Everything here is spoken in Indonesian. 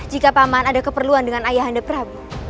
jika paman ada keperluan dengan ayah anda prabu